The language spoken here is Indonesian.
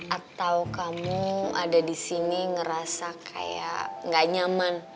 atau kamu ada disini ngerasa kayak gak nyaman